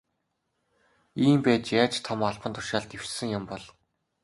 Ийм байж яаж том албан тушаалд дэвшсэн юм бол.